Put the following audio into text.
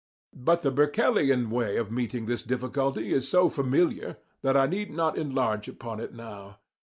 But the Berkeleian way of meeting this difficulty is so familiar that I need not enlarge upon it now.